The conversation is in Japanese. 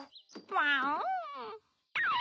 ワン！